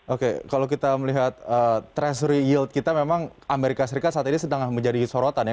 oke kalau kita melihat treasury yield kita memang amerika serikat saat ini sedang menjadi sorotan ya